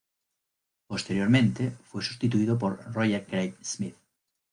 Posteriormente fue sustituido por Roger Craig Smith.